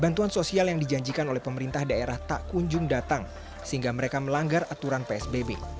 bantuan sosial yang dijanjikan oleh pemerintah daerah tak kunjung datang sehingga mereka melanggar aturan psbb